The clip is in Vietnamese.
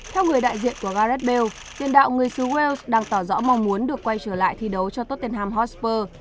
theo người đại diện của gareth bale tiền đạo người sứ wales đang tỏ rõ mong muốn được quay trở lại thi đấu cho tottenham hotspur